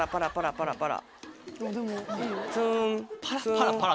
パラパラ。